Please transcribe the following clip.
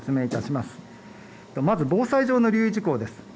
まず防災上の留意事項です。